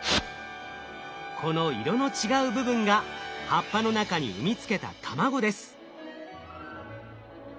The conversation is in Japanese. この色の違う部分が葉っぱの中に産み付けた卵です。